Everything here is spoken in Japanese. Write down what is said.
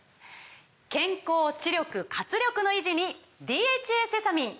健康・知力・活力の維持に「ＤＨＡセサミン」！